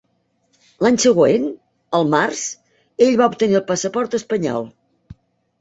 L'any següent, al març, ell va obtenir el passaport espanyol.